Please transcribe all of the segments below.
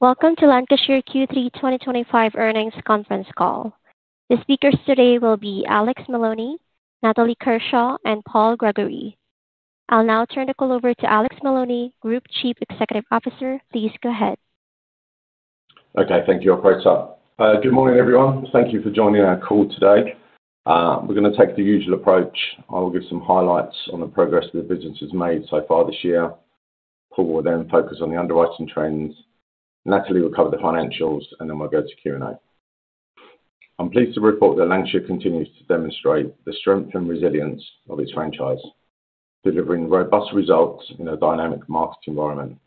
Welcome to Lancashire Q3 2025 earnings conference call. The speakers today will be Alex Maloney, Natalie Kershaw, and Paul Gregory. I'll now turn the call over to Alex Maloney, Group Chief Executive Officer. Please go ahead. Okay, thank you. I'll pray to start. Good morning, everyone. Thank you for joining our call today. We're going to take the usual approach. I'll give some highlights on the progress that the business has made so far this year. Paul will then focus on the underwriting trends. Natalie will cover the financials, and then we'll go to Q&A. I'm pleased to report that Lancashire continues to demonstrate the strength and resilience of its franchise, delivering robust results in a dynamic market environment.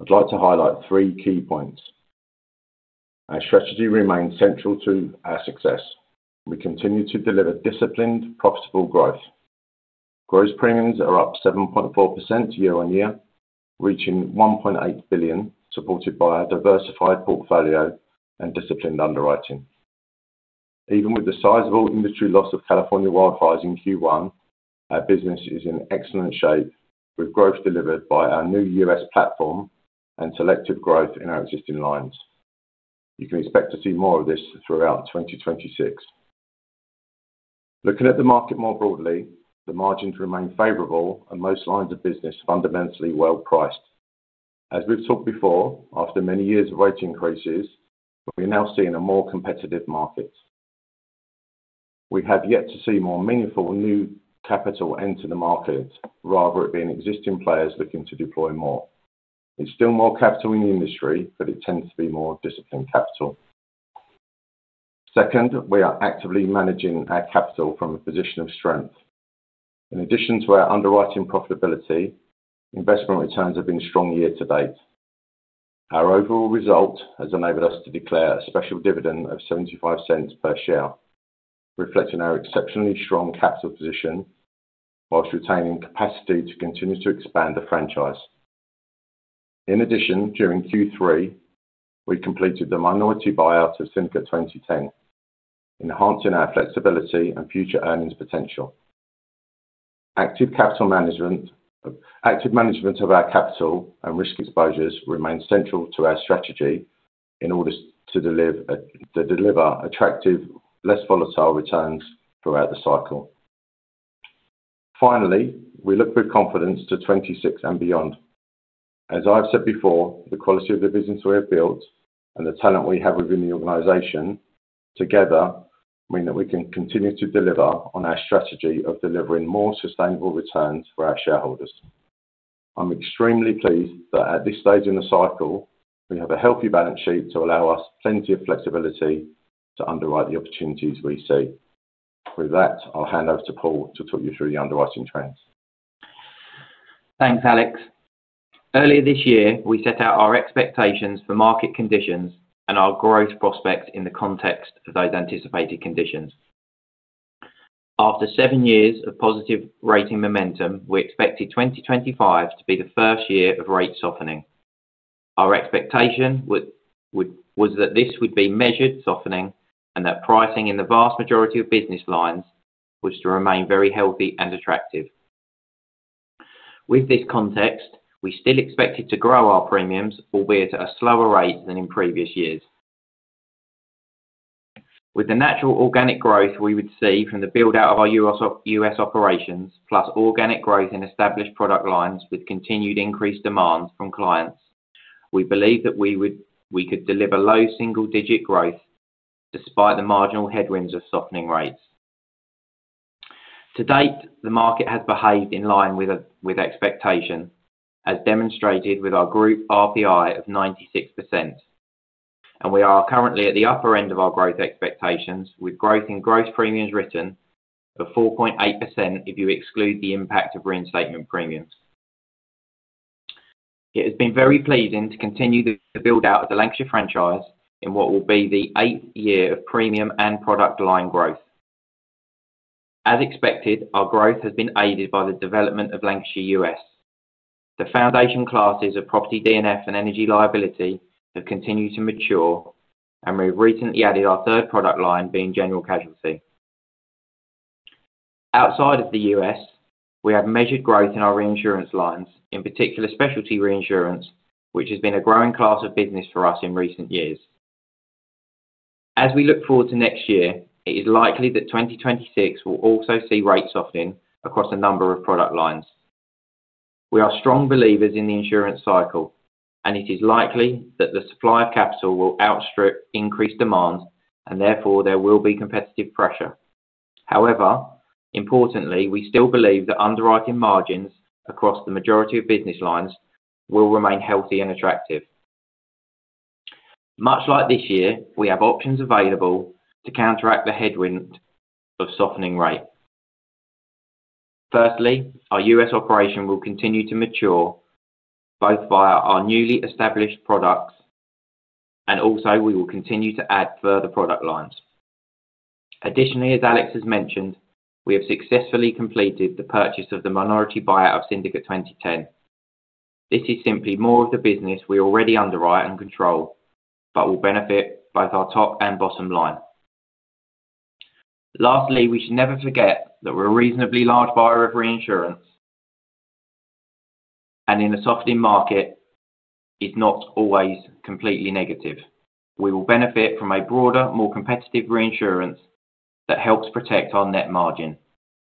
I'd like to highlight three key points. Our strategy remains central to our success. We continue to deliver disciplined, profitable growth. Gross premiums are up 7.4% year-on-year, reaching $1.8 billion, supported by our diversified portfolio and disciplined underwriting. Even with the sizable industry loss of California wildfires in Q1, our business is in excellent shape, with growth delivered by our new US platform and selective growth in our existing lines. You can expect to see more of this throughout 2026. Looking at the market more broadly, the margins remain favorable, and most lines of business are fundamentally well-priced. As we've talked before, after many years of rate increases, we're now seeing a more competitive market. We have yet to see more meaningful new capital enter the market, rather it being existing players looking to deploy more. It's still more capital in the industry, but it tends to be more disciplined capital. Second, we are actively managing our capital from a position of strength. In addition to our underwriting profitability, investment returns have been strong year to date. Our overall result has enabled us to declare a special dividend of $0.75 per share, reflecting our exceptionally strong capital position, whilst retaining capacity to continue to expand the franchise. In addition, during Q3, we completed the minority buyout of Finca 2010, enhancing our flexibility and future earnings potential. Active capital management of our capital and risk exposures remains central to our strategy in order to deliver attractive, less volatile returns throughout the cycle. Finally, we look with confidence to 2026 and beyond. As I've said before, the quality of the business we have built and the talent we have within the organization together mean that we can continue to deliver on our strategy of delivering more sustainable returns for our shareholders. I'm extremely pleased that at this stage in the cycle, we have a healthy balance sheet to allow us plenty of flexibility to underwrite the opportunities we see. With that, I'll hand over to Paul to talk you through the underwriting trends. Thanks, Alex. Earlier this year, we set out our expectations for market conditions and our growth prospects in the context of those anticipated conditions. After seven years of positive rating momentum, we expected 2025 to be the first year of rate softening. Our expectation was that this would be measured softening and that pricing in the vast majority of business lines was to remain very healthy and attractive. With this context, we still expected to grow our premiums, albeit at a slower rate than in previous years. With the natural organic growth we would see from the build-out of our U.S. operations, plus organic growth in established product lines with continued increased demand from clients, we believe that we could deliver low single-digit growth despite the marginal headwinds of softening rates. To date, the market has behaved in line with expectation, as demonstrated with our group RPI of 96%. We are currently at the upper end of our growth expectations, with growth in gross premiums written at 4.8% if you exclude the impact of reinstatement premiums. It has been very pleasing to continue the build-out of the Lancashire franchise in what will be the eighth year of premium and product line growth. As expected, our growth has been aided by the development of Lancashire U.S. The foundation classes of property DNF and energy liability have continued to mature, and we've recently added our third product line, being general casualty. Outside of the U.S., we have measured growth in our reinsurance lines, in particular specialty reinsurance, which has been a growing class of business for us in recent years. As we look forward to next year, it is likely that 2026 will also see rate softening across a number of product lines. We are strong believers in the insurance cycle, and it is likely that the supply of capital will outstrip increased demand, and therefore there will be competitive pressure. However, importantly, we still believe that underwriting margins across the majority of business lines will remain healthy and attractive. Much like this year, we have options available to counteract the headwind of softening rate. Firstly, our U.S. operation will continue to mature, both via our newly established products. Also, we will continue to add further product lines. Additionally, as Alex has mentioned, we have successfully completed the purchase of the minority buyout of Finca 2010. This is simply more of the business we already underwrite and control, but will benefit both our top and bottom line. Lastly, we should never forget that we are a reasonably large buyer of reinsurance. In a softening market, it is not always completely negative. We will benefit from a broader, more competitive reinsurance that helps protect our net margin.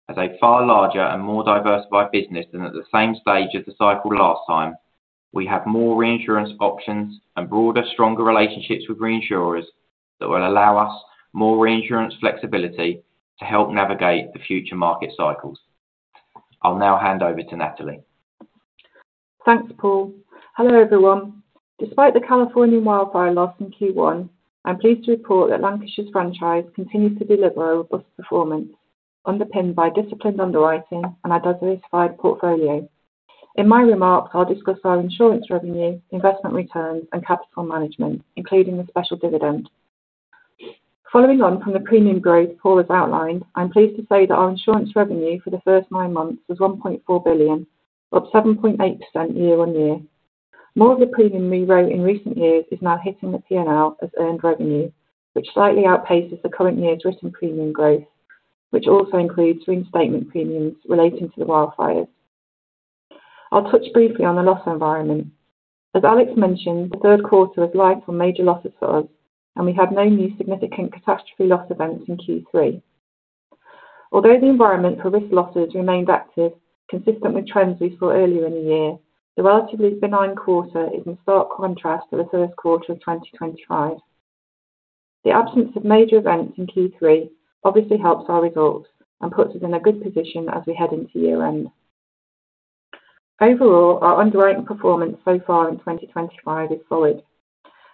As a far larger and more diversified business than at the same stage of the cycle last time, we have more reinsurance options and broader, stronger relationships with reinsurers that will allow us more reinsurance flexibility to help navigate the future market cycles. I'll now hand over to Natalie. Thanks, Paul. Hello everyone. Despite the California Wildfire loss in Q1, I'm pleased to report that Lancashire's franchise continues to deliver robust performance, underpinned by disciplined underwriting and our diversified portfolio. In my remarks, I'll discuss our insurance revenue, investment returns, and capital management, including the special dividend. Following on from the premium growth Paul has outlined, I'm pleased to say that our insurance revenue for the first nine months was $1.4 billion, up 7.8% year-on-year. More of the premium we wrote in recent years is now hitting the P&L as earned revenue, which slightly outpaces the current year's written premium growth, which also includes reinstatement premiums relating to the wildfires. I'll touch briefly on the loss environment. As Alex mentioned, the third quarter was light on major losses for us, and we had no new significant catastrophe loss events in Q3. Although the environment for risk losses remained active, consistent with trends we saw earlier in the year, the relatively benign quarter is in stark contrast to the first quarter of 2025. The absence of major events in Q3 obviously helps our results and puts us in a good position as we head into year-end. Overall, our underwriting performance so far in 2025 is solid.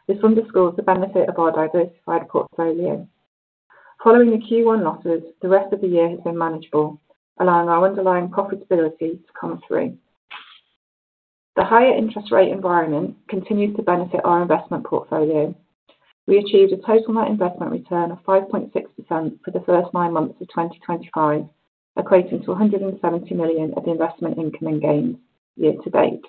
This underscores the benefit of our diversified portfolio. Following the Q1 losses, the rest of the year has been manageable, allowing our underlying profitability to come through. The higher interest rate environment continues to benefit our investment portfolio. We achieved a total net investment return of 5.6% for the first nine months of 2025, equating to $170 million of investment income and gains year to date.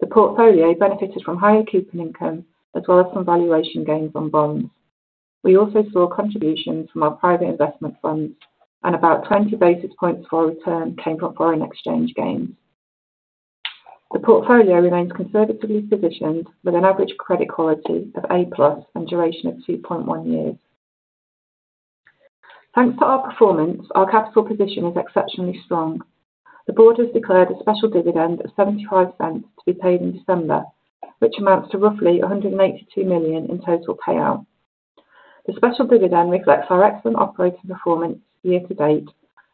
The portfolio benefited from higher coupon income as well as some valuation gains on bonds. We also saw contributions from our private investment funds, and about 20 basis points for our return came from foreign exchange gains. The portfolio remains conservatively positioned with an average credit quality of A-plus and duration of 2.1 years. Thanks to our performance, our capital position is exceptionally strong. The board has declared a special dividend of $0.75 to be paid in December, which amounts to roughly $182 million in total payout. The special dividend reflects our excellent operating performance year to date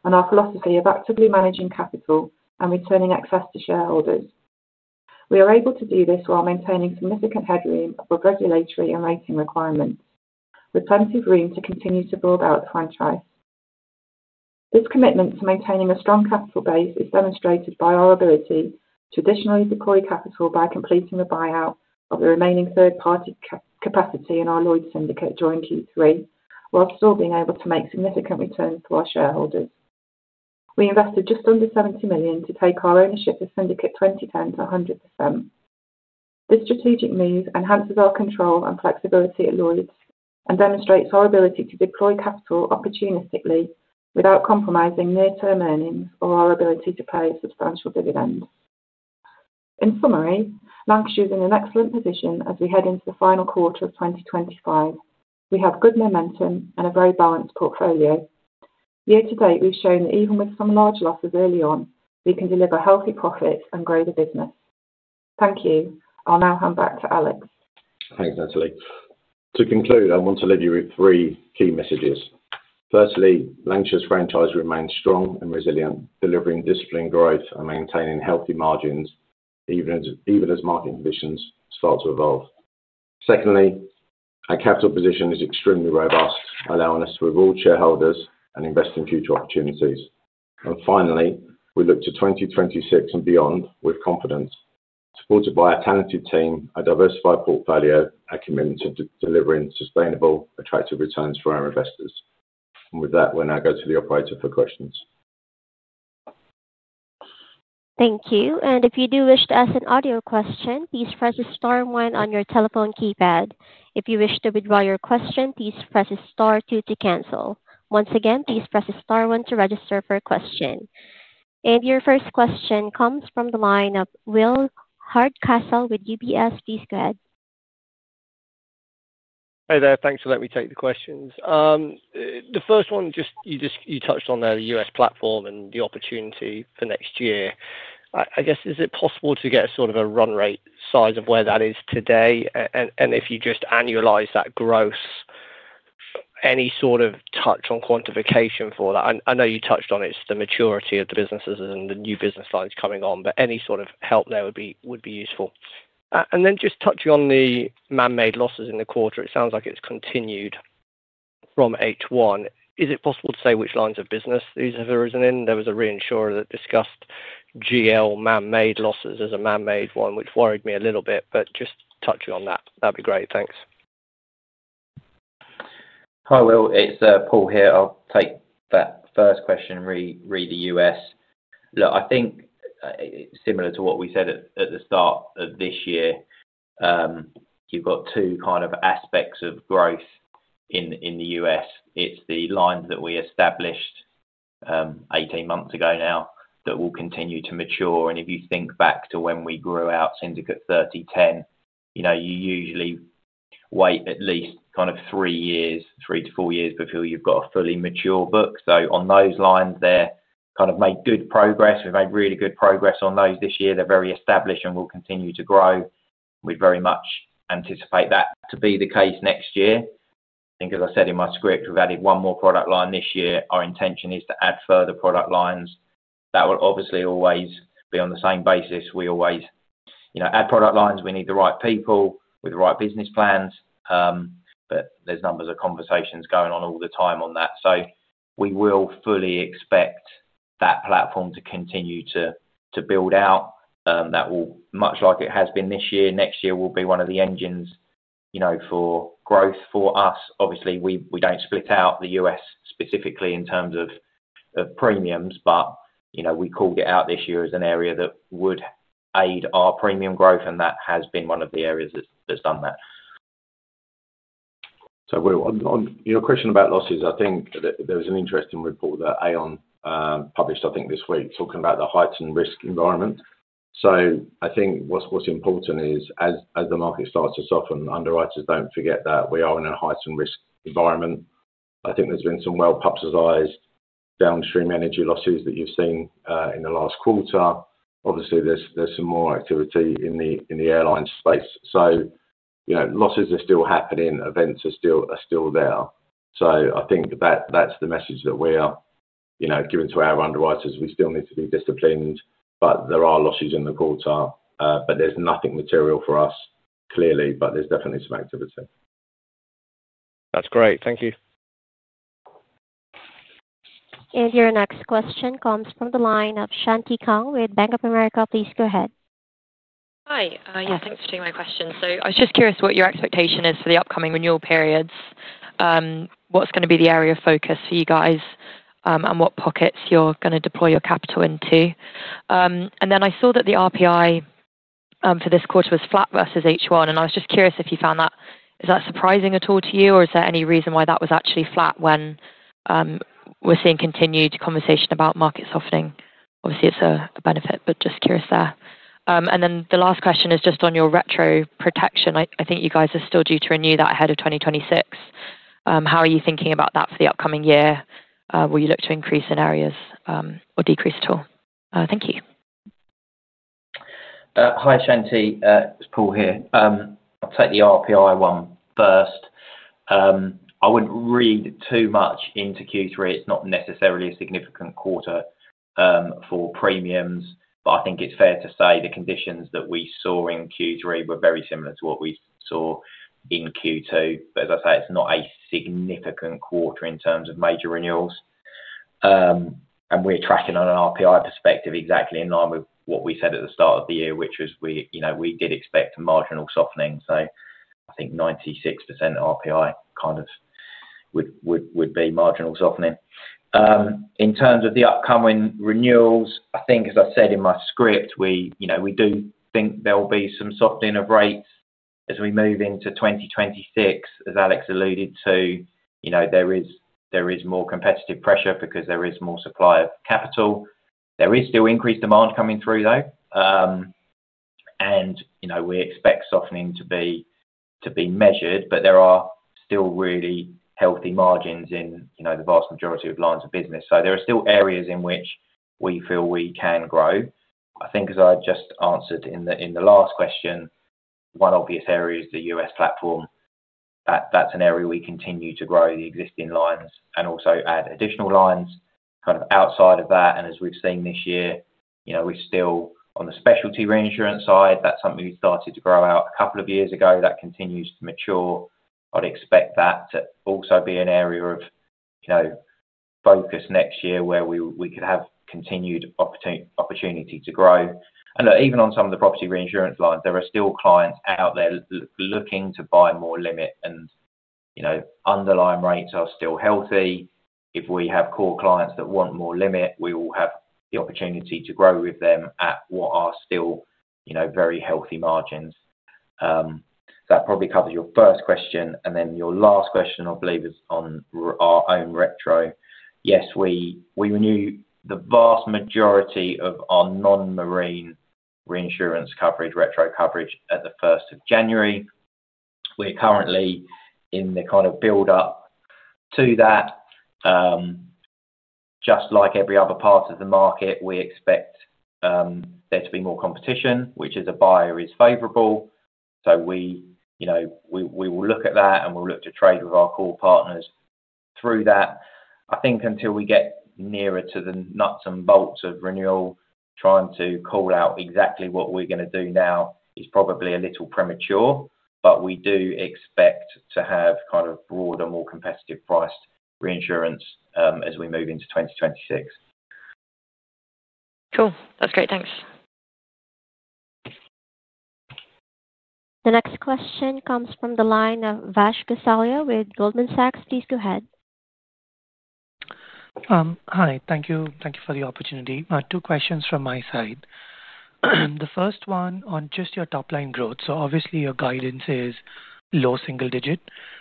and our philosophy of actively managing capital and returning excess to shareholders. We are able to do this while maintaining significant headroom above regulatory and rating requirements, with plenty of room to continue to build out the franchise. This commitment to maintaining a strong capital base is demonstrated by our ability to additionally deploy capital by completing the buyout of the remaining third-party capacity in our Lloyd's Syndicate during Q3, whilst still being able to make significant returns to our shareholders. We invested just under $70 million to take our ownership of Syndicate 2010 to 100%. This strategic move enhances our control and flexibility at Lloyd's and demonstrates our ability to deploy capital opportunistically without compromising near-term earnings or our ability to pay substantial dividends. In summary, Lancashire is in an excellent position as we head into the final quarter of 2025. We have good momentum and a very balanced portfolio. Year to date, we've shown that even with some large losses early on, we can deliver healthy profits and grow the business. Thank you. I'll now hand back to Alex. Thanks, Natalie. To conclude, I want to leave you with three key messages. Firstly, Lancashire's franchise remains strong and resilient, delivering disciplined growth and maintaining healthy margins even as market conditions start to evolve. Secondly, our capital position is extremely robust, allowing us to reward shareholders and invest in future opportunities. Finally, we look to 2026 and beyond with confidence, supported by our talented team, our diversified portfolio, our commitment to delivering sustainable, attractive returns for our investors. With that, we'll now go to the operator for questions. Thank you. If you do wish to ask an audio question, please press the star one on your telephone keypad. If you wish to withdraw your question, please press the star two to cancel. Once again, please press the star one to register for a question. Your first question comes from the line of Will Hardcastle with UBS. Please go ahead. Hey there. Thanks for letting me take the questions. The first one, you touched on the U.S. platform and the opportunity for next year. I guess, is it possible to get sort of a run rate size of where that is today? If you just annualize that growth, any sort of touch on quantification for that? I know you touched on it. It's the maturity of the businesses and the new business lines coming on, but any sort of help there would be useful. Then just touching on the man-made losses in the quarter, it sounds like it's continued from H1. Is it possible to say which lines of business these have arisen in? There was a reinsurer that discussed GL man-made losses as a man-made one, which worried me a little bit, but just touching on that, that'd be great. Thanks. Hi, Will. It's Paul here. I'll take that first question and read the U.S. Look, I think. Similar to what we said at the start of this year. You've got two kind of aspects of growth. In the U.S. It's the lines that we established 18 months ago now that will continue to mature. And if you think back to when we grew out Syndicate 3010, you usually wait at least kind of three years, three to four years before you've got a fully mature book. So on those lines, they've kind of made good progress. We've made really good progress on those this year. They're very established and will continue to grow. We very much anticipate that to be the case next year. I think, as I said in my script, we've added one more product line this year. Our intention is to add further product lines. That will obviously always be on the same basis. We always add product lines. We need the right people with the right business plans. There are numbers of conversations going on all the time on that. We fully expect that platform to continue to build out. That will, much like it has been this year, next year will be one of the engines for growth for us. Obviously, we do not split out the U.S. specifically in terms of premiums, but we called it out this year as an area that would aid our premium growth, and that has been one of the areas that has done that. Will, on your question about losses, I think there was an interesting report that Aon published, I think, this week, talking about the heights and risk environment. I think what's important is, as the market starts to soften, underwriters don't forget that we are in a heights and risk environment. I think there's been some well-publicized downstream energy losses that you've seen in the last quarter. Obviously, there's some more activity in the airline space. Losses are still happening. Events are still there. I think that's the message that we are giving to our underwriters. We still need to be disciplined, but there are losses in the quarter. There's nothing material for us, clearly, but there's definitely some activity. That's great. Thank you. Your next question comes from the line of Shanti Kang with Bank of America. Please go ahead. Hi. Yeah, thanks for taking my question. I was just curious what your expectation is for the upcoming renewal periods. What's going to be the area of focus for you guys, and what pockets you're going to deploy your capital into? I saw that the RPI for this quarter was flat versus H1, and I was just curious if you found that. Is that surprising at all to you, or is there any reason why that was actually flat when we're seeing continued conversation about market softening? Obviously, it's a benefit, but just curious there. The last question is just on your retro protection. I think you guys are still due to renew that ahead of 2026. How are you thinking about that for the upcoming year? Will you look to increase in areas or decrease at all? Thank you. Hi, Shanti. It's Paul here. I'll take the RPI one first. I wouldn't read too much into Q3. It's not necessarily a significant quarter for premiums, but I think it's fair to say the conditions that we saw in Q3 were very similar to what we saw in Q2. It's not a significant quarter in terms of major renewals. We're tracking on an RPI perspective exactly in line with what we said at the start of the year, which was we did expect a marginal softening. I think 96% RPI kind of would be marginal softening. In terms of the upcoming renewals, I think, as I said in my script, we do think there'll be some softening of rates as we move into 2026, as Alex alluded to. There is more competitive pressure because there is more supply of capital. There is still increased demand coming through, though. We expect softening to be measured, but there are still really healthy margins in the vast majority of lines of business. There are still areas in which we feel we can grow. I think, as I just answered in the last question, one obvious area is the U.S. platform. That is an area we continue to grow the existing lines and also add additional lines kind of outside of that. As we have seen this year, we are still on the specialty reinsurance side. That is something we started to grow out a couple of years ago. That continues to mature. I would expect that to also be an area of focus next year where we could have continued opportunity to grow. Even on some of the property reinsurance lines, there are still clients out there looking to buy more limit. Underlying rates are still healthy. If we have core clients that want more limit, we will have the opportunity to grow with them at what are still very healthy margins. That probably covers your first question. Your last question, I believe, is on our own retro. Yes, we renewed the vast majority of our non-marine reinsurance coverage, retro coverage, at the 1st of January. We are currently in the kind of build-up to that. Just like every other part of the market, we expect there to be more competition, which is favorable for a buyer. We will look at that, and we will look to trade with our core partners through that. I think until we get nearer to the nuts and bolts of renewal, trying to call out exactly what we're going to do now is probably a little premature, but we do expect to have kind of broader, more competitive priced reinsurance as we move into 2026. Cool. That's great. Thanks. The next question comes from the line of Vash Gosalia with Goldman Sachs. Please go ahead. Hi. Thank you for the opportunity. Two questions from my side. The first one on just your top-line growth. Obviously, your guidance is low single digit,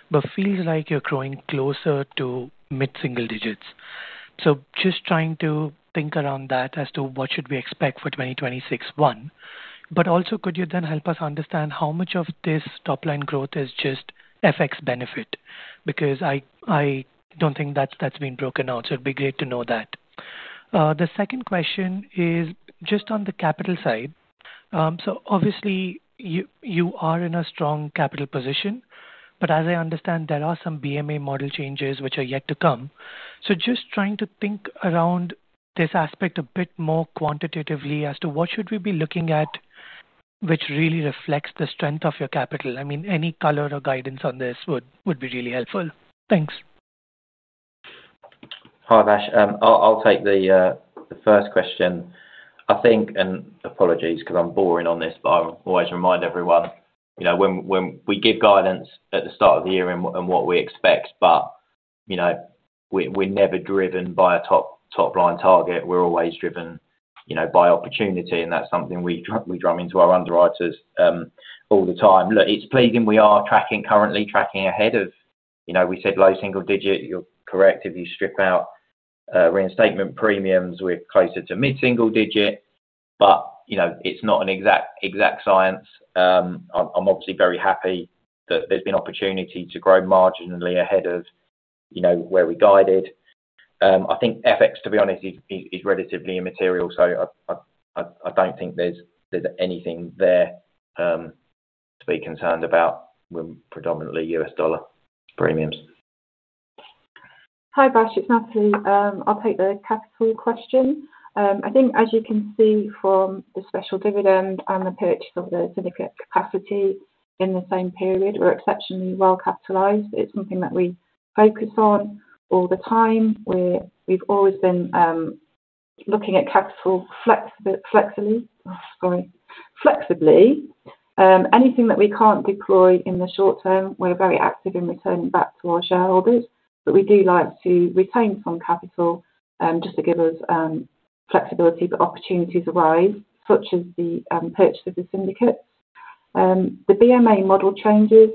but feels like you're growing closer to mid-single digits. Just trying to think around that as to what should we expect for 2026, one. Also, could you then help us understand how much of this top-line growth is just FX benefit? I don't think that's been broken out, so it'd be great to know that. The second question is just on the capital side. Obviously, you are in a strong capital position, but as I understand, there are some BMA model changes which are yet to come. Just trying to think around this aspect a bit more quantitatively as to what should we be looking at, which really reflects the strength of your capital. I mean, any color or guidance on this would be really helpful. Thanks. Hi, Vash. I'll take the first question. I think, and apologies because I'm boring on this, but I always remind everyone. We give guidance at the start of the year on what we expect, but we're never driven by a top-line target. We're always driven by opportunity, and that's something we drum into our underwriters all the time. Look, it's pleasing. We are currently tracking ahead of what we said. Low single digit, you're correct. If you strip out reinstatement premiums, we're closer to mid-single digit, but it's not an exact science. I'm obviously very happy that there's been opportunity to grow marginally ahead of where we guided. I think FX, to be honest, is relatively immaterial, so I don't think there's anything there to be concerned about. We're predominantly US dollar premiums. Hi, Vash. It's Natalie. I'll take the capital question. I think, as you can see from the special dividend and the pitch of the syndicate capacity in the same period, we're exceptionally well-capitalized. It's something that we focus on all the time. We've always been looking at capital flexibly. Anything that we can't deploy in the short term, we're very active in returning back to our shareholders, but we do like to retain some capital just to give us flexibility for opportunities to rise, such as the purchase of the syndicates. The BMA model changes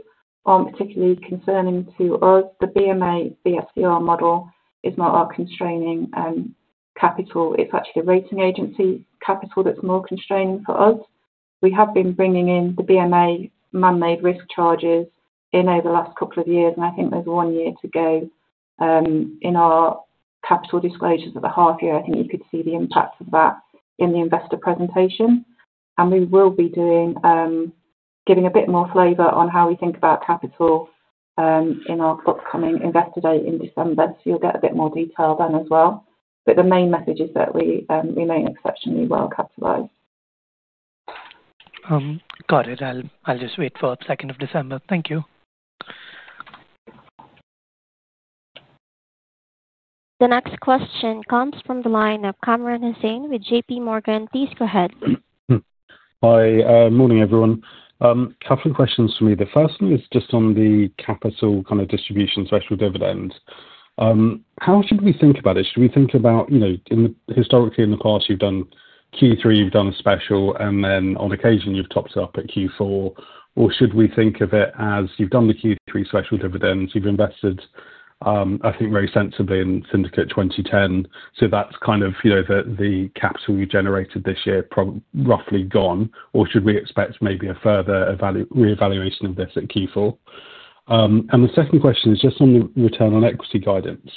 aren't particularly concerning to us. The BMA BSCR model is not our constraining capital. It's actually the rating agency capital that's more constraining for us. We have been bringing in the BMA man-made risk charges in over the last couple of years, and I think there's one year to go. In our capital disclosures at the half-year, I think you could see the impact of that in the investor presentation. We will be giving a bit more flavor on how we think about capital in our upcoming investor day in December, so you'll get a bit more detail then as well. The main message is that we remain exceptionally well-capitalized. Got it. I'll just wait for the 2nd of December. Thank you. The next question comes from the line of Kamran Hussain with JP Morgan. Please go ahead. Hi. Morning, everyone. A couple of questions for me. The first one is just on the capital kind of distribution special dividends. How should we think about it? Should we think about, historically, in the past, you've done Q3, you've done a special, and then on occasion, you've topped it up at Q4? Should we think of it as you've done the Q3 special dividends, you've invested, I think, very sensibly in Syndicate 2010, so that's kind of the capital you generated this year roughly gone? Should we expect maybe a further re-evaluation of this at Q4? The second question is just on the return on equity guidance.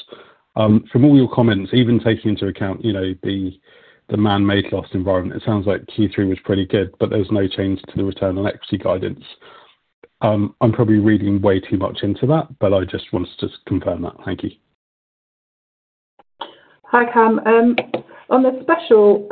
From all your comments, even taking into account the man-made loss environment, it sounds like Q3 was pretty good, but there's no change to the return on equity guidance. I'm probably reading way too much into that, but I just wanted to confirm that. Thank you. Hi, Cam. On the special.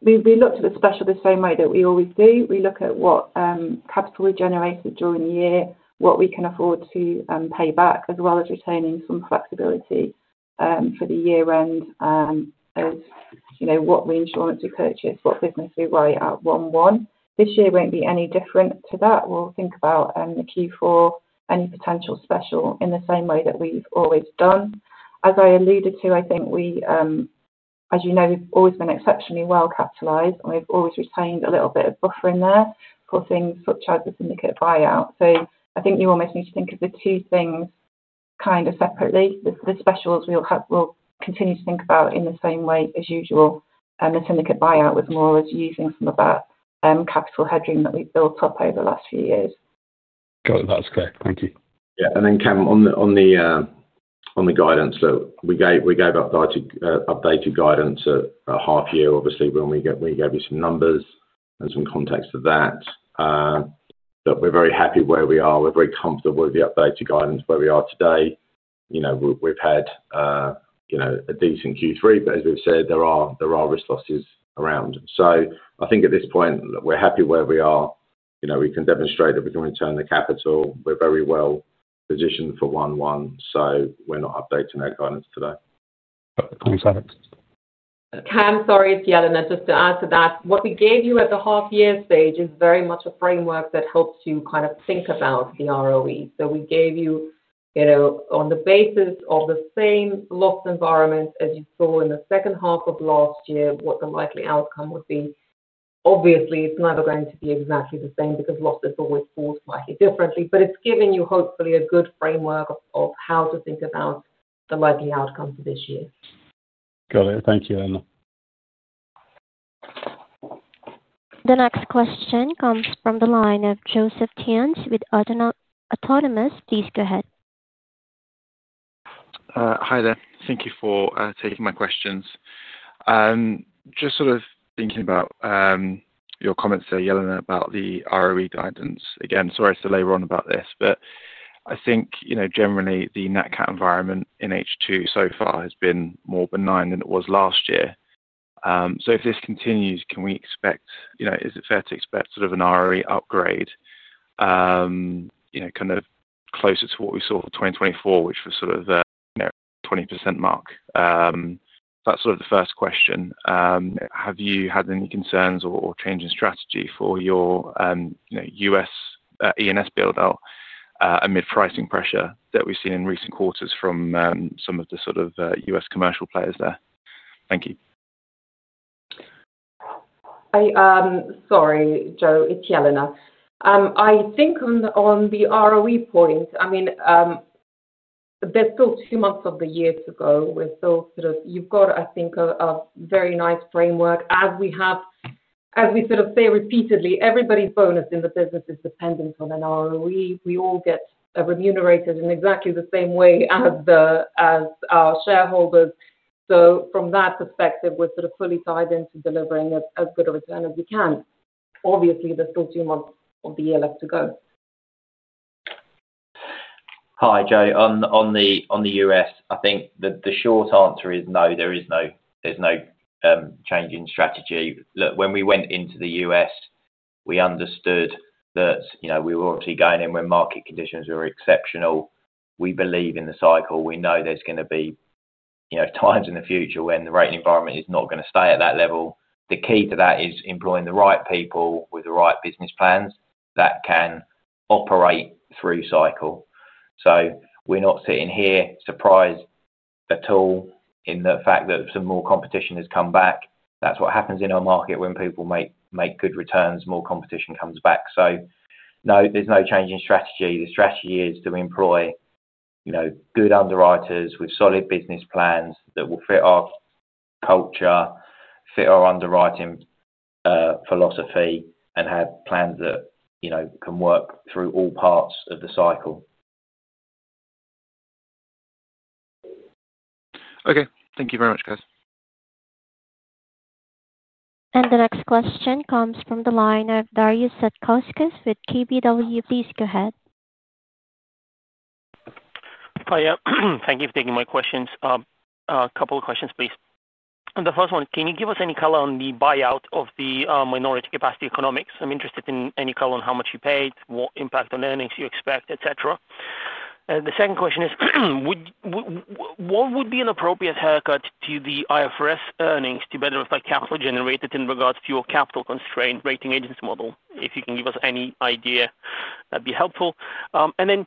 We look to the special the same way that we always do. We look at what capital we generated during the year, what we can afford to pay back, as well as retaining some flexibility for the year-end. As what reinsurance we purchase, what business we write out, one-on-one. This year won't be any different to that. We'll think about the Q4, any potential special in the same way that we've always done. As I alluded to, I think. As you know, we've always been exceptionally well-capitalized, and we've always retained a little bit of buffer in there for things such as the syndicate buyout. I think you almost need to think of the two things kind of separately. The specials we'll continue to think about in the same way as usual. The syndicate buyout was more using some of that capital headroom that we've built up over the last few years. Got it. That's clear. Thank you. Yeah. Cam, on the guidance, we gave updated guidance at half-year. Obviously, we gave you some numbers and some context of that. We are very happy where we are. We are very comfortable with the updated guidance where we are today. We have had a decent Q3, but as we have said, there are risk losses around. I think at this point, we are happy where we are. We can demonstrate that we can return the capital. We are very well positioned for one-on-one, so we are not updating that guidance today. Cool. Thanks. Cam, sorry to yell in there. Just to add to that, what we gave you at the half-year stage is very much a framework that helps you kind of think about the ROE. So we gave you, on the basis of the same loss environment as you saw in the second half of last year, what the likely outcome would be. Obviously, it's never going to be exactly the same because losses always fall slightly differently, but it's giving you, hopefully, a good framework of how to think about the likely outcome for this year. Got it. Thank you, Jelena. The next question comes from the line of Joseph Tienz with Autonomous. Please go ahead. Hi there. Thank you for taking my questions. Just sort of thinking about your comments there, Jelena, about the ROE guidance. Again, sorry to layer on about this, but I think, generally, the net cat environment in H2 so far has been more benign than it was last year. If this continues, can we expect, is it fair to expect sort of an ROE upgrade, kind of closer to what we saw for 2024, which was sort of the 20% mark? That is sort of the first question. Have you had any concerns or change in strategy for your U.S., E&S build-out amid pricing pressure that we have seen in recent quarters from some of the sort of U.S. commercial players there? Thank you. Sorry, Joe. It's Jelena. I think on the ROE point, I mean, there's still two months of the year to go. We're still sort of—you've got, I think, a very nice framework. As we sort of say repeatedly, everybody's bonus in the business is dependent on an ROE. We all get remunerated in exactly the same way as our shareholders. From that perspective, we're sort of fully tied into delivering as good a return as we can. Obviously, there's still two months of the year left to go. Hi, Joe. On the U.S., I think the short answer is no. There is no change in strategy. Look, when we went into the U.S., we understood that we were obviously going in when market conditions were exceptional. We believe in the cycle. We know there's going to be times in the future when the rating environment is not going to stay at that level. The key to that is employing the right people with the right business plans that can operate through cycle. We are not sitting here surprised at all in the fact that some more competition has come back. That is what happens in our market when people make good returns. More competition comes back. No, there is no change in strategy. The strategy is to employ good underwriters with solid business plans that will fit our culture, fit our underwriting. Philosophy, and have plans that can work through all parts of the cycle. Okay. Thank you very much, guys. The next question comes from the line of Darius Zadkowskis with KBW. Please go ahead. Hi, yeah. Thank you for taking my questions. A couple of questions, please. The first one, can you give us any color on the buyout of the minority capacity economics? I'm interested in any color on how much you paid, what impact on earnings you expect, etc. The second question is, what would be an appropriate haircut to the IFRS earnings to better reflect capital generated in regards to your capital-constrained rating agency model? If you can give us any idea, that'd be helpful. And then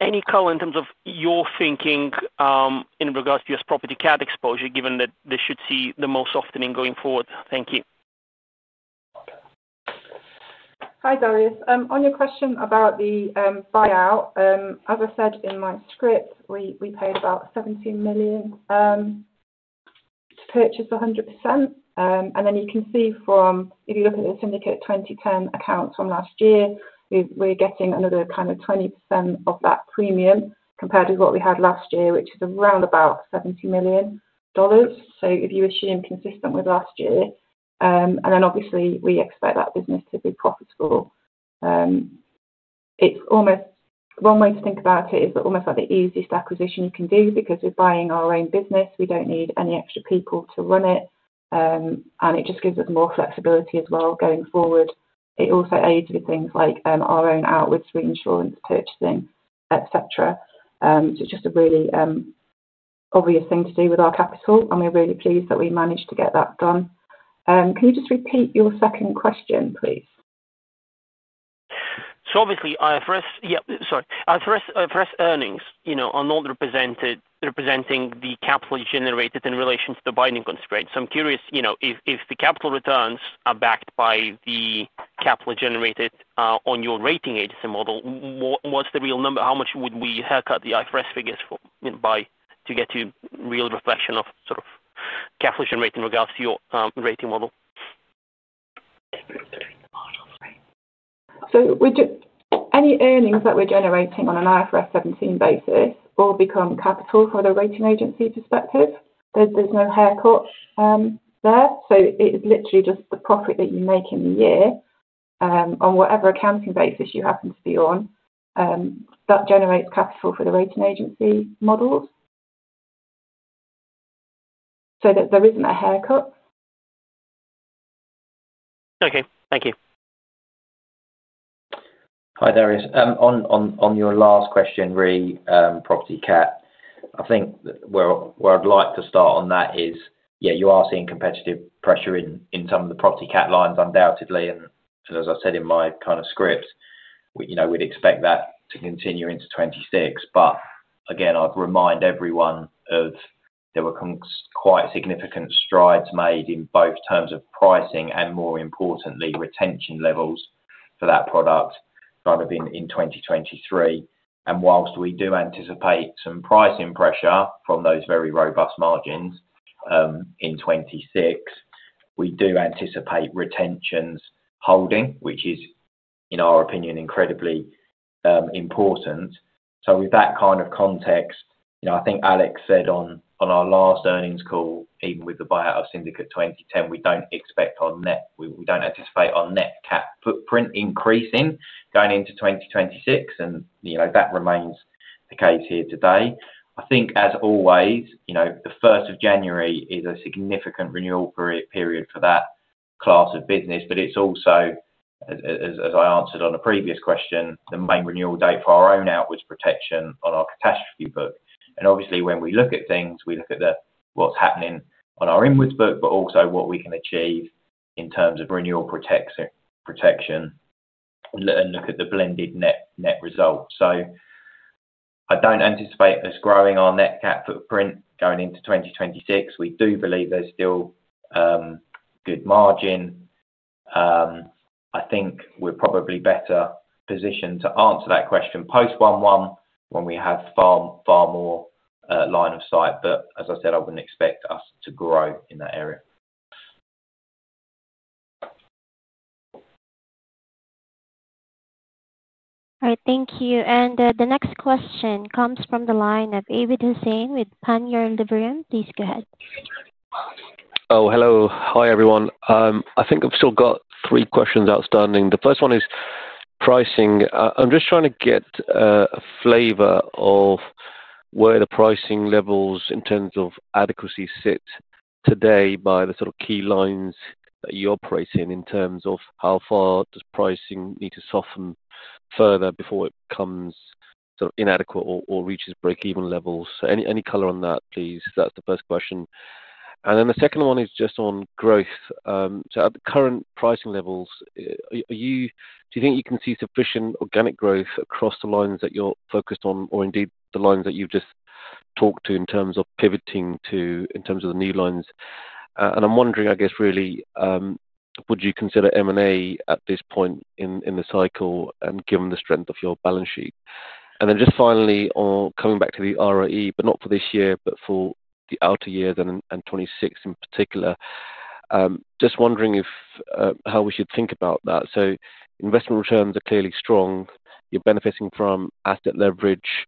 any color in terms of your thinking in regards to your property-cat exposure, given that this should see the most softening going forward? Thank you. Hi, Darius. On your question about the buyout, as I said in my script, we paid about $70 million to purchase 100%. If you look at the syndicate 2010 accounts from last year, we are getting another kind of 20% of that premium compared with what we had last year, which is around about $70 million. If you assume consistent with last year. Obviously, we expect that business to be profitable. One way to think about it is almost like the easiest acquisition you can do because we are buying our own business. We do not need any extra people to run it. It just gives us more flexibility as well going forward. It also aids with things like our own outwards reinsurance purchasing, etc. It is just a really. Obvious thing to do with our capital, and we're really pleased that we managed to get that done. Can you just repeat your second question, please? Obviously, IFRS, yeah, sorry. IFRS earnings are not representing the capital generated in relation to the binding constraints. I'm curious, if the capital returns are backed by the capital generated on your rating agency model, what's the real number? How much would we haircut the IFRS figures to get to real reflection of sort of capital generated in regards to your rating model? Any earnings that we're generating on an IFRS 17 basis will become capital from the rating agency perspective. There's no haircut there. It is literally just the profit that you make in the year, on whatever accounting basis you happen to be on, that generates capital for the rating agency models. There isn't a haircut. Okay. Thank you. Hi, Darius. On your last question, re-property cat, I think where I'd like to start on that is, yeah, you are seeing competitive pressure in some of the property cat lines, undoubtedly. As I said in my kind of script, we'd expect that to continue into 2026. I would remind everyone there were quite significant strides made in both terms of pricing and, more importantly, retention levels for that product in 2023. Whilst we do anticipate some pricing pressure from those very robust margins in 2026, we do anticipate retentions holding, which is, in our opinion, incredibly important. With that kind of context, I think Alex said on our last earnings call, even with the buyout of Syndicate 2010, we do not expect our net—we do not anticipate our net cat footprint increasing going into 2026. That remains the case here today. I think, as always, the 1st of January is a significant renewal period for that class of business. It is also, as I answered on a previous question, the main renewal date for our own outwards protection on our catastrophe book. Obviously, when we look at things, we look at what's happening on our inwards book, but also what we can achieve in terms of renewal protection and look at the blended net result. I do not anticipate us growing our net cat footprint going into 2026. We do believe there is still good margin. I think we are probably better positioned to answer that question post '11 when we have far more line of sight. As I said, I would not expect us to grow in that area. All right. Thank you. The next question comes from the line of David Hussein with Panmure Liberum. Please go ahead. Oh, hello. Hi, everyone. I think I've still got three questions outstanding. The first one is pricing. I'm just trying to get a flavor of where the pricing levels in terms of adequacy sit today by the sort of key lines that you operate in, in terms of how far does pricing need to soften further before it becomes sort of inadequate or reaches break-even levels. Any color on that, please. That's the first question. The second one is just on growth. At the current pricing levels, do you think you can see sufficient organic growth across the lines that you're focused on, or indeed the lines that you've just talked to in terms of pivoting to in terms of the new lines? I'm wondering, I guess, really, would you consider M&A at this point in the cycle given the strength of your balance sheet? Just finally, coming back to the ROE, but not for this year, but for the outer years and 2026 in particular. Just wondering how we should think about that. Investment returns are clearly strong. You're benefiting from asset leverage,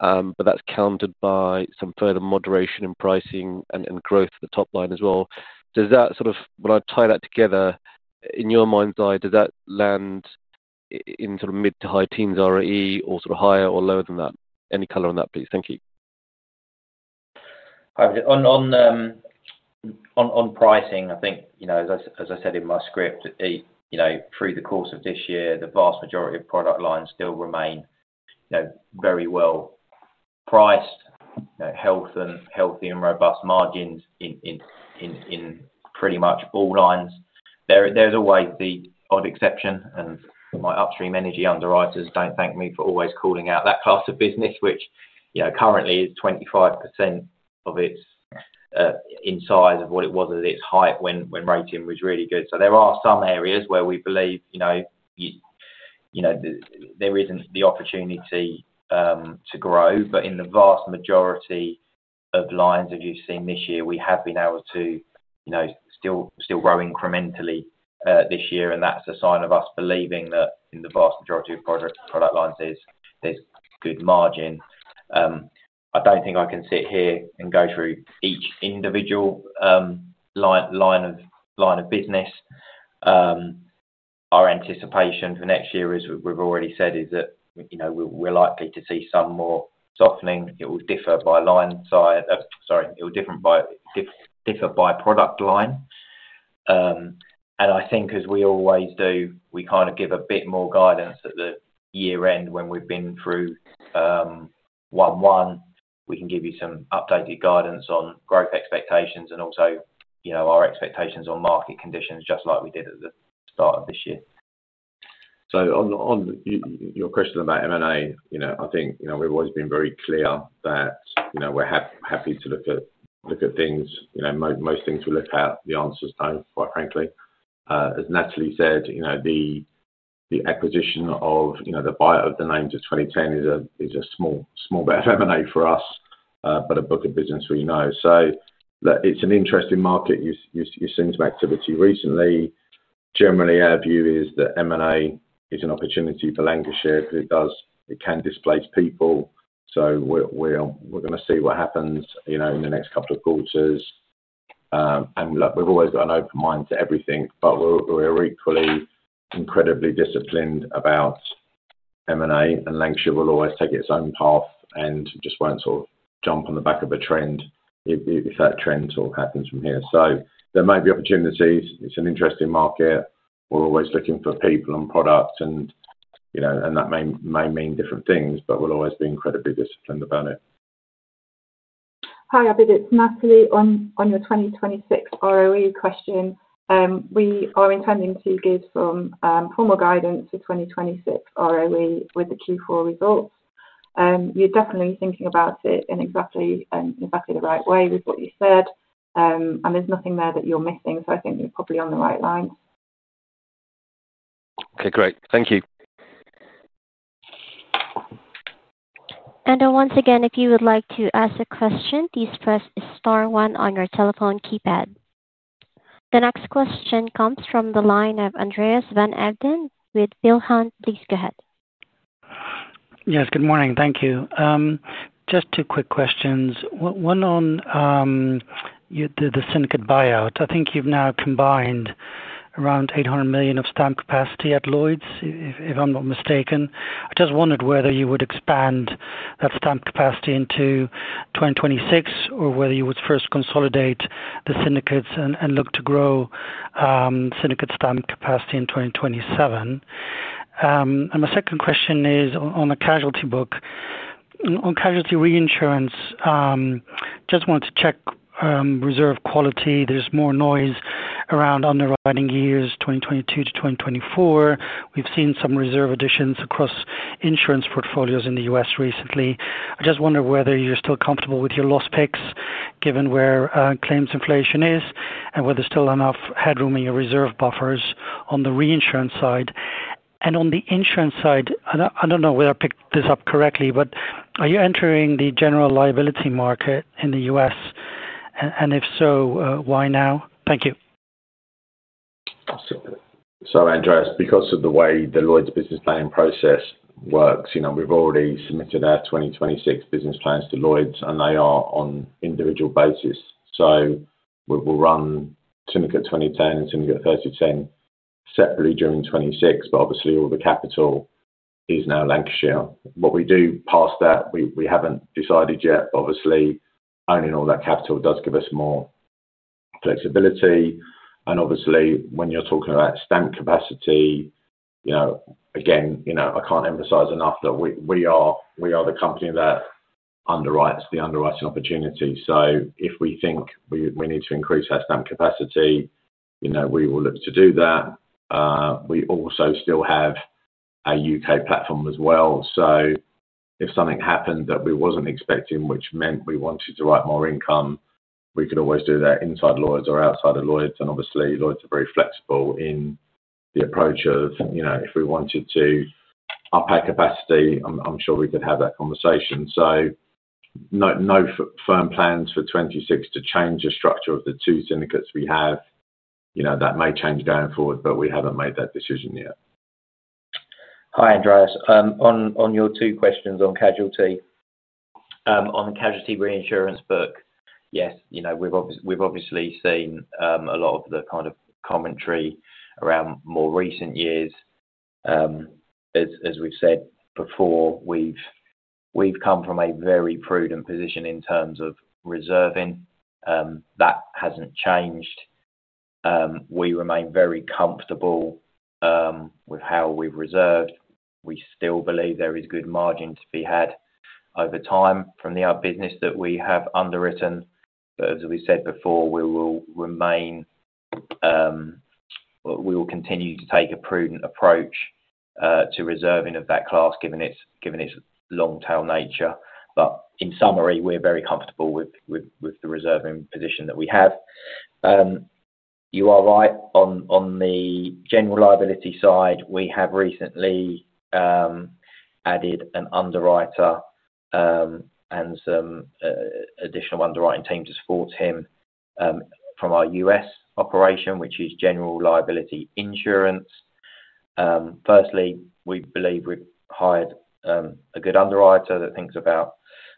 but that's countered by some further moderation in pricing and growth of the top line as well. Does that, when I tie that together, in your mind's eye, does that land in sort of mid to high teens ROE or sort of higher or lower than that? Any color on that, please? Thank you. On pricing, I think, as I said in my script, through the course of this year, the vast majority of product lines still remain very well priced, healthy, and robust margins. In pretty much all lines, there's always the odd exception, and my upstream energy underwriters don't thank me for always calling out that class of business, which currently is 25% of its size of what it was at its height when rating was really good. There are some areas where we believe there isn't the opportunity to grow, but in the vast majority of lines that you've seen this year, we have been able to still grow incrementally this year. That's a sign of us believing that in the vast majority of product lines, there's good margin. I don't think I can sit here and go through each individual line of business. Our anticipation for next year, as we've already said, is that we're likely to see some more softening. It will differ by line, sorry, it will differ. By product line. I think, as we always do, we kind of give a bit more guidance at the year-end when we've been through one, one. We can give you some updated guidance on growth expectations and also our expectations on market conditions, just like we did at the start of this year. On your question about M&A, I think we've always been very clear that we're happy to look at things. Most things we look at, the answers don't, quite frankly. As Natalie said, the acquisition of the buyout of the names of 2010 is a small bit of M&A for us, but a book of business we know. It's an interesting market. You've seen some activity recently. Generally, our view is that M&A is an opportunity for Lancashire. It can displace people. We're going to see what happens in the next couple of quarters. Look, we've always got an open mind to everything, but we're equally incredibly disciplined about M&A, and Lancashire will always take its own path and just won't sort of jump on the back of a trend if that trend sort of happens from here. There may be opportunities. It's an interesting market. We're always looking for people and products, and that may mean different things, but we'll always be incredibly disciplined about it. Hi, I'm David. Natalie, on your 2026 ROE question. We are intending to give some formal guidance for 2026 ROE with the Q4 results. You're definitely thinking about it in exactly the right way with what you said. There's nothing there that you're missing. I think you're probably on the right lines. Okay. Great. Thank you. If you would like to ask a question, please press star one on your telephone keypad. The next question comes from the line of Andreas van Eveden with Peel lHunt. Please go ahead. Yes. Good morning. Thank you. Just two quick questions. One on the syndicate buyout. I think you've now combined around $800 million of stamp capacity at Lloyd's, if I'm not mistaken. I just wondered whether you would expand that stamp capacity into 2026 or whether you would first consolidate the syndicates and look to grow syndicate stamp capacity in 2027. And my second question is on the casualty book. On casualty reinsurance. I just wanted to check reserve quality. There's more noise around underwriting years 2022-2024. We've seen some reserve additions across insurance portfolios in the U.S. recently. I just wonder whether you're still comfortable with your loss picks given where claims inflation is and whether there's still enough headroom in your reserve buffers on the reinsurance side. On the insurance side, I don't know whether I picked this up correctly, but are you entering the general liability market in the U.S.? If so, why now? Thank you. Andreas, because of the way the Lloyd's business planning process works, we've already submitted our 2026 business plans to Lloyd's, and they are on an individual basis. We will run Syndicate 2010 and Syndicate 3010 separately during 2026, but obviously, all the capital is now Lancashire. What we do past that, we haven't decided yet. Obviously, owning all that capital does give us more flexibility. Obviously, when you're talking about stamp capacity, I can't emphasize enough that we are the company that underwrites the underwriting opportunity. If we think we need to increase our stamp capacity, we will look to do that. We also still have a U.K. platform as well. If something happened that we weren't expecting, which meant we wanted to write more income, we could always do that inside Lloyd's or outside of Lloyd's. Lloyd's are very flexible in the approach of if we wanted to up our capacity, I'm sure we could have that conversation. No firm plans for 2026 to change the structure of the two syndicates we have. That may change going forward, but we haven't made that decision yet. Hi, Andreas. On your two questions on casualty. On the casualty reinsurance book, yes, we've obviously seen a lot of the kind of commentary around more recent years. As we've said before, we've come from a very prudent position in terms of reserving. That hasn't changed. We remain very comfortable with how we've reserved. We still believe there is good margin to be had over time from the other business that we have underwritten. As we said before, we will remain. We will continue to take a prudent approach to reserving of that class, given its long-tail nature. In summary, we're very comfortable with the reserving position that we have. You are right. On the general liability side, we have recently added an underwriter and some additional underwriting team to support him from our US operation, which is general liability insurance. Firstly, we believe we've hired a good underwriter that thinks about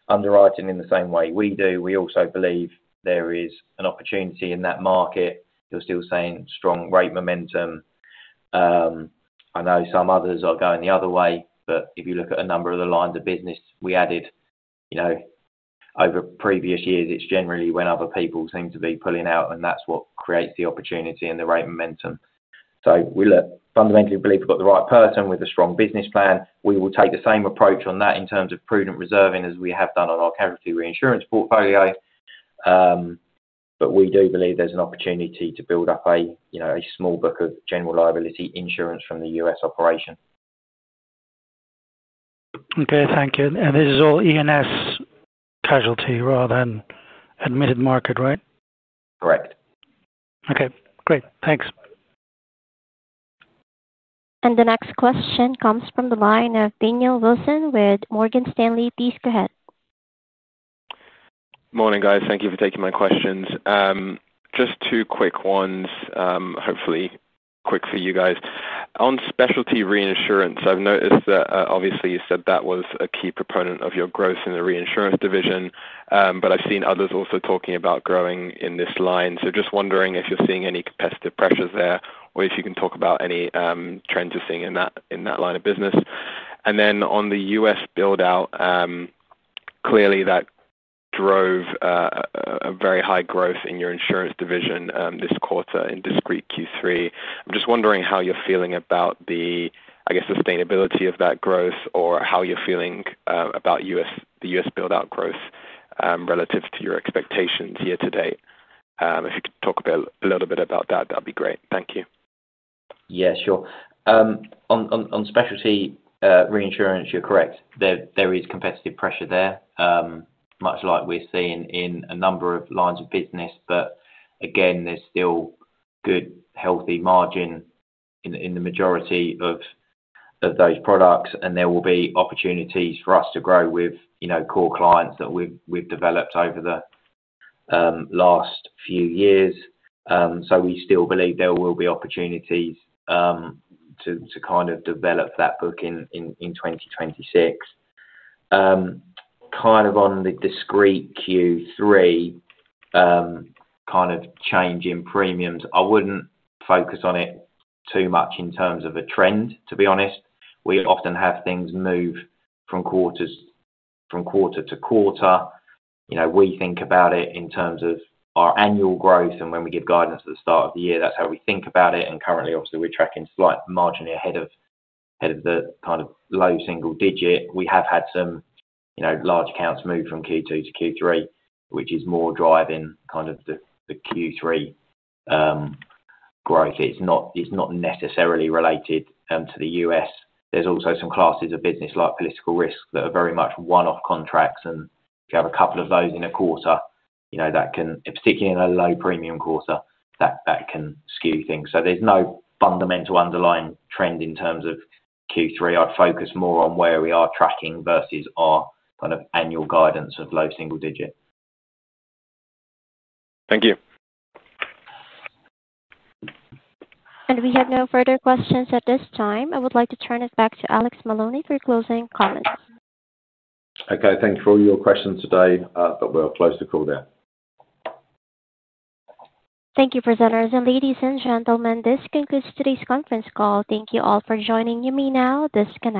underwriting in the same way we do. We also believe there is an opportunity in that market. You're still seeing strong rate momentum. I know some others are going the other way, but if you look at a number of the lines of business we added over previous years, it's generally when other people seem to be pulling out, and that's what creates the opportunity and the rate momentum. We fundamentally believe we've got the right person with a strong business plan. We will take the same approach on that in terms of prudent reserving as we have done on our casualty reinsurance portfolio. We do believe there's an opportunity to build up a small book of general liability insurance from the U.S. operation. Okay. Thank you. This is all E&S. Casualty rather than admitted market, right? Correct. Okay. Great. Thanks. The next question comes from the line of Daniel Wilson with Morgan Stanley. Please go ahead. Morning, guys. Thank you for taking my questions. Just two quick ones, hopefully quick for you guys. On specialty reinsurance, I've noticed that, obviously, you said that was a key proponent of your growth in the reinsurance division. I've seen others also talking about growing in this line. Just wondering if you're seeing any competitive pressures there or if you can talk about any trends you're seeing in that line of business. On the U.S., buildout, clearly that drove a very high growth in your insurance division this quarter in discrete Q3. I'm just wondering how you're feeling about the, I guess, sustainability of that growth or how you're feeling about the U.S. buildout growth relative to your expectations year to date. If you could talk a little bit about that, that'd be great. Thank you. Yeah. Sure. On specialty reinsurance, you're correct. There is competitive pressure there, much like we're seeing in a number of lines of business. Again, there's still good, healthy margin in the majority of those products. There will be opportunities for us to grow with core clients that we've developed over the last few years. We still believe there will be opportunities to kind of develop that book in 2026. Kind of on the discrete Q3 change in premiums, I wouldn't focus on it too much in terms of a trend, to be honest. We often have things move from quarter to quarter. We think about it in terms of our annual growth. When we give guidance at the start of the year, that's how we think about it. Currently, obviously, we're tracking slight margin ahead of the kind of low single digit. We have had some large accounts move from Q2 to Q3, which is more driving kind of the Q3 growth. It's not necessarily related to the U.S. There's also some classes of business like political risk that are very much one-off contracts. And if you have a couple of those in a quarter, that can, particularly in a low premium quarter, that can skew things. So there's no fundamental underlying trend in terms of Q3. I'd focus more on where we are tracking versus our kind of annual guidance of low single digit. Thank you. We have no further questions at this time. I would like to turn it back to Alex Maloney for closing comments. Okay. Thank you for all your questions today, but we'll close the call there. Thank you, presenters. Ladies and gentlemen, this concludes today's conference call. Thank you all for joining me now. This con.